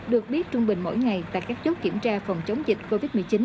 được biết trung bình mỗi ngày tại các chốt kiểm tra phòng chống dịch covid một mươi chín